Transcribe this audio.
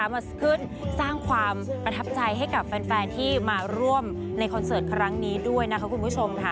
มาขึ้นสร้างความประทับใจให้กับแฟนที่มาร่วมในคอนเสิร์ตครั้งนี้ด้วยนะคะคุณผู้ชมค่ะ